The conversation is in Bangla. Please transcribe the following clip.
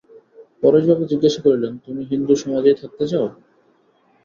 পরেশবাবু জিজ্ঞাসা করিলেন, তুমি হিন্দুসমাজেই থাকতে চাও?